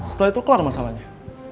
setelah itu keluar masalahnya